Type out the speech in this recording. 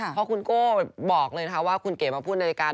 เพราะคุณโก้บอกเลยนะคะว่าคุณเก๋มาพูดในรายการ